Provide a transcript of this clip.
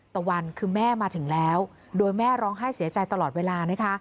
ตะวันคือแม่มาถึงแล้วโดยแม่ร้องไห้เสียใจตลอดเวลานะคะ